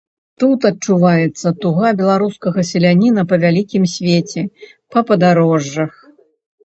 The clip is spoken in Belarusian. Тут адчуваецца туга беларускага селяніна па вялікім свеце, па падарожжах.